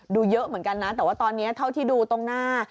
ดูเยอะเหมือนกันนะแต่ว่าตอนนี้เท่าที่ดูตรงหน้า